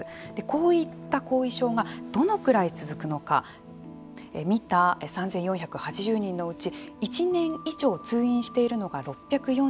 こういった後遺症がどのくらい続くのか３４８０人のうち１年以上通院しているのが６４４人。